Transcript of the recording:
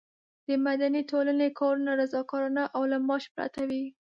د مدني ټولنې کارونه رضاکارانه او له معاش پرته وي.